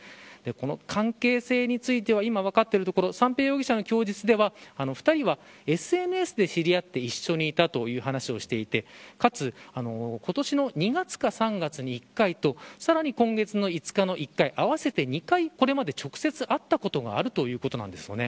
関係性については今、分かっているところ三瓶容疑者の供述では２人はＳＮＳで知り合って一緒にいたという話をしていてかつ、今年の２月か３月に１回とさらに今月５日の１回合わせて２回、これまで直接会ったことがあるということです。